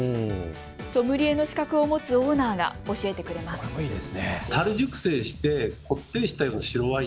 ソムリエの資格を持つオーナーが教えてくれます。